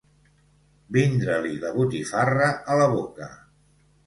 Vindre-li la botifarra a la boca.